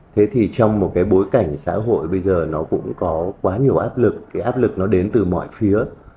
thế thì trong một cái bối cảnh xã hội bây giờ nó cũng có quá nhiều áp lực cái áp lực nó đến từ mọi phía